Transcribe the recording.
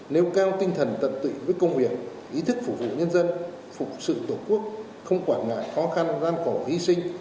nêu cao tinh thần tận tụy với công việc ý thức phục vụ nhân dân phục sự tổ quốc không quản ngại khó khăn gian khổ hy sinh